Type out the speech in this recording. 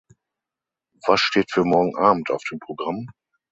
Was steht für morgen Abend auf dem Programm?